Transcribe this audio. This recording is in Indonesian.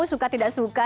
suka tidak suka